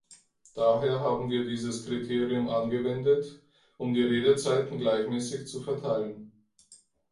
Daher haben wir dieses Kriterium angewendet, um die Redezeiten gleichmäßig zu verteilen.